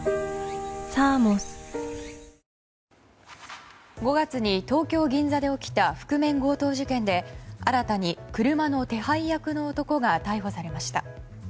わかるぞ５月に東京・銀座で起きた覆面強盗事件で新たに、車の手配役の男が逮捕されました。